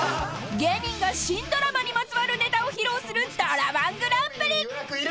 ［芸人が新ドラマにまつわるネタを披露するドラ−１グランプリ！］